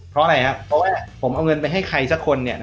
เพราะอะไรครับเพราะว่าผมเอาเงินไปให้ใครสักคนเนี่ย